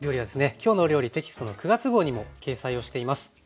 「きょうの料理」テキストの９月号にも掲載をしています。